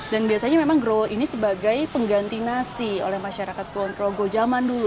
dan biasanya memang rawol ini sebagai pengganti nasi oleh masyarakat kulon progo zaman dulu